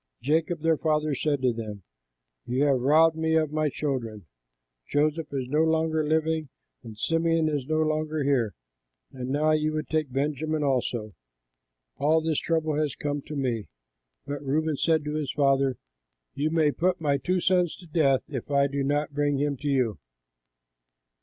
Jacob their father said to them, "You have robbed me of my children: Joseph is no longer living and Simeon is no longer here, and now you would take Benjamin also! All this trouble has come to me!" But Reuben said to his father, "You may put my two sons to death, if I do not bring him to you.